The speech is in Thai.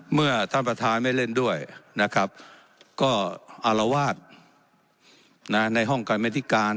เมื่อท่านประธานไม่เล่นด้วยนะครับก็อารวาสในห้องกรรมธิการ